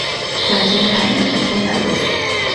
在今海南省中南部。